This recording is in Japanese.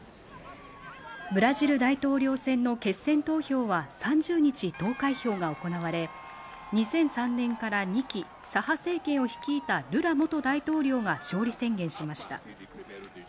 ブラジル大統領選の決選投票は３０日、投開票が行われ、２００３年から２期、左派政権を率いたルラ元大統領が勝利宣言しました。